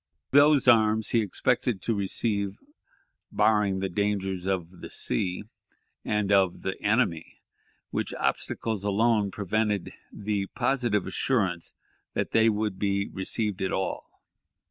Those arms he expected to receive, barring the dangers of the sea, and of the enemy, which obstacles alone prevented the "positive assurance that they would be received at all."